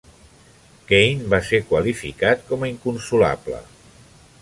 Keane va ser qualificat com a "inconsolable".